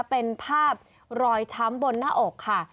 เป็นภาพรอยช้ำบนหน้าอกค่ะ